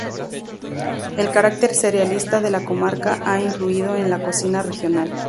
El carácter cerealista de la comarca ha influido en la cocina regional.